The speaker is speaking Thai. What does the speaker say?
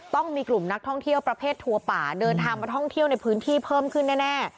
ต้องมีกลุ่มนักท่องเที่ยวประเภททัวร์ป่าเดินทางมาท่องเที่ยวในพื้นที่เพิ่มขึ้นแน่